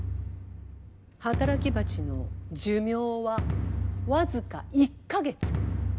働き蜂の寿命はわずか１カ月。